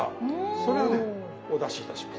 それをねお出しいたします。